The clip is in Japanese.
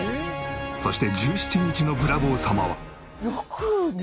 そして１７日の『ブラボー様』は。